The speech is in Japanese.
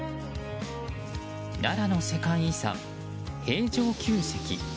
奈良の世界遺産・平城宮跡。